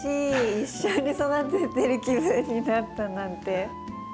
一緒に育ててる気分になったなんて。